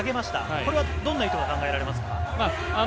これはどんな意図が考えられますか？